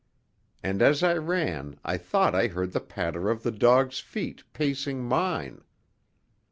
And as I ran I thought I heard the patter of the dog's feet, pacing mine.